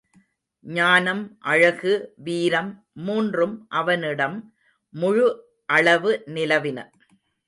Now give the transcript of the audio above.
ஞானம், அழகு, வீரம் மூன்றும் அவனிடம் முழு அளவு நிலவின.